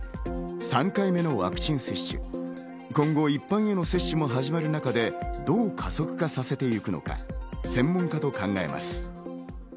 ３回目のワクチン接種、今後、一般への接種も始まる中で、どう加速化させていくのか、専門家と考えます。